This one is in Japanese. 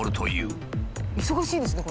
忙しいんですね